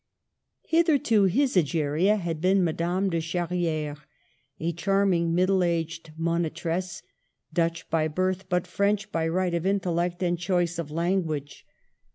Hitherto his Egeria had been Madame de Charri&re, a charming middle aged monitress, Dutch by birth, but French by right of intellect and choice of language.